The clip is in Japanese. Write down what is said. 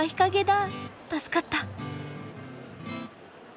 助かった。